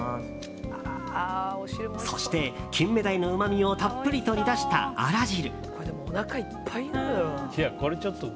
そして、キンメダイのうまみをたっぷり取り出したあら汁。